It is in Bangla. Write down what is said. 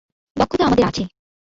দক্ষতা আমাদের আছে।